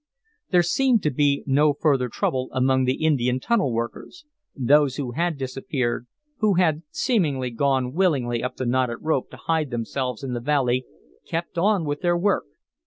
There seemed to be no further trouble among the Indian tunnel workers. Those who had disappeared who had, seemingly, gone willingly up the knotted rope to hide themselves in the valley kept on with their work.